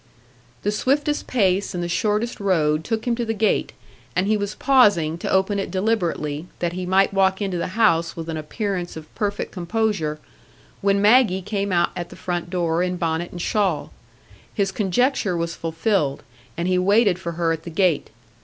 The swiftest pace and the shortest road took him to the gate, and he was pausing to open it deliberately, that he might walk into the house with an appearance of perfect composure, when Maggie came out at the front door in bonnet and shawl. His conjecture was fulfilled, and he waited for her at the gate.